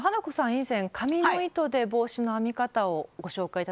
以前紙の糸で帽子の編み方をご紹介頂きましたよね。